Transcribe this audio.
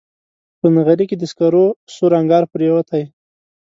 په نغري کې د سکرو سور انګار پرېوتی